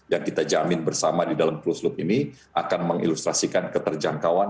yang kita jamin bersama di dalam closed loop ini akan mengilustrasikan keterjangkauan